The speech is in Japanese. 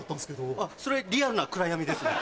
それリアルな暗闇ですね。